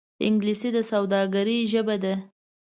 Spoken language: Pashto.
انګلیسي د سوداګرۍ ژبه ده